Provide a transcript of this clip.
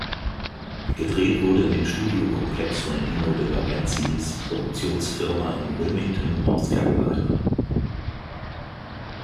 Gedreht wurde in dem Studiokomplex von Dino de Laurentiis’ Produktionsfirma in Wilmington, North Carolina.